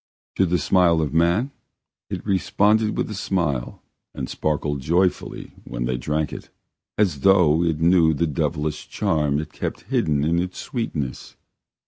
To the smile of man it responded with a smile and sparkled joyfully when they drank it, as though it knew the devilish charm it kept hidden in its sweetness.